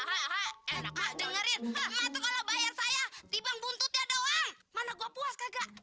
enak dengerin kalau bayar saya dibang buntutnya doang mana gue puas kagak